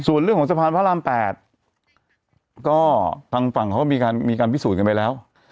ส่วนเรื่องของสะพานพระราม๘ก็ทางฝั่งเขาก็มีการพิสูจน์กันไปแล้ว